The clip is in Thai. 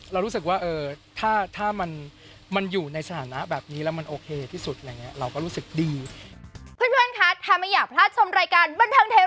เรารู้สึกว่าถ้ามันอยู่ในสถานะแบบนี้แล้วมันโอเคที่สุดอะไรอย่างนี้